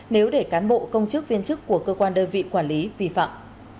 nếu để cán bộ công chức viên chức của cơ quan đơn vị quản lý vi phạm